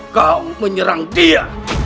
kau menyerang dia